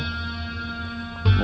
tadi bilangnya cuma kang mus